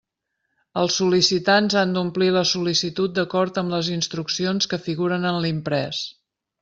Els sol·licitants han d'omplir la sol·licitud d'acord amb les instruccions que figuren en l'imprés.